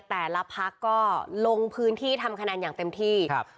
แต่ละพักก็ลงพื้นที่ทำคะแนนอย่างเต็มที่ครับ